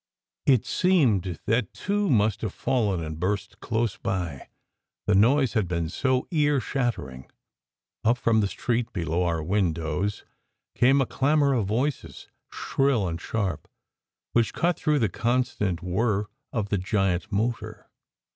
It seemed that two must have fallen and burst close by, the noise had been so ear shattering. Up from the street below our windows came a clamour of voices, shrill and sharp, which cut through the constant whirr of the giant motor.